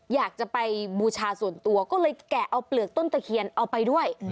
อยากจะไปบูชาส่วนตัวก็เลยแกะเอาเปลือกต้นตะเคียนเอาไปด้วย